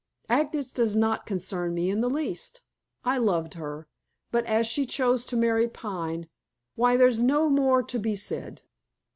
Agnes does not concern me in the least. I loved her, but as she chose to marry Pine, why there's no more to be said."